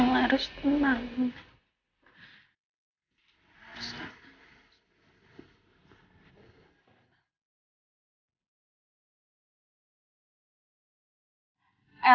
harus tenang harus tenang